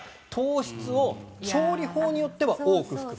糖質を調理法によっては多く含む。